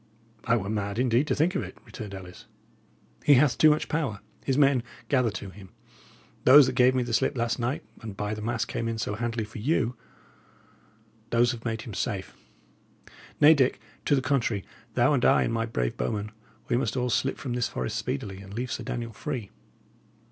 "I were mad, indeed, to think of it," returned Ellis. "He hath too much power; his men gather to him; those that gave me the slip last night, and by the mass came in so handily for you those have made him safe. Nay, Dick, to the contrary, thou and I and my brave bowmen, we must all slip from this forest speedily, and leave Sir Daniel free."